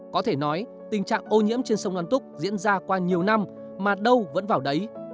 có thể nói tình trạng ô nhiễm trên sông đoan túc diễn ra qua nhiều năm mà đâu vẫn vào đấy